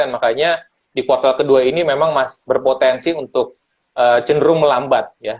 makanya di kuartal kedua ini memang berpotensi untuk cenderung melambat ya